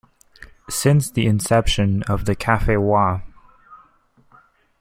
Since the inception of the Cafe Wha?